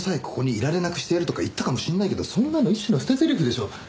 「ここにいられなくしてやる」とか言ったかもしれないけどそんなの一種の捨てぜりふでしょ。